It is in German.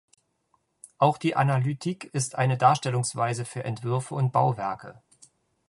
Auch die Analytique ist eine Darstellungsweise für Entwürfe und Bauwerke.